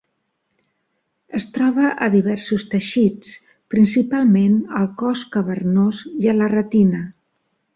Es troba a diversos teixits, principalment al cos cavernós i a la retina.